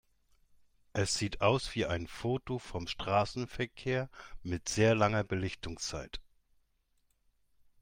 Es sieht aus wie ein Foto vom Straßenverkehr mit sehr langer Belichtungszeit.